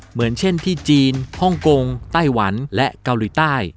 เหมือนเช่นที่จีนฮ่องกงไต้หวันและเกาหลีใต้